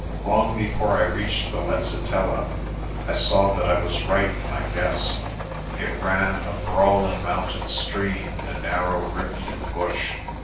Long before I reached the Letsitela I saw that I was right in my guess. It ran, a brawling mountain stream, in a narrow rift in the bush.